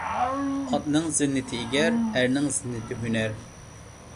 ئاتنىڭ زىننىتى _ ئىگەر، ئەرنىڭ زىننىتى _ ھۈنەر.